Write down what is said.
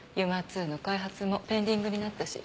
ＵＭＡ−Ⅱの開発もペンディングになったし。